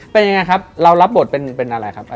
เป็นยังไงครับเรารับบทเป็นอะไรครับ